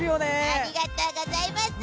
ありがとうございます！